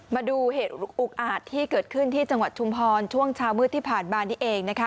มาดูเหตุอุกอาจที่เกิดขึ้นที่จังหวัดชุมพรช่วงเช้ามืดที่ผ่านมานี่เองนะคะ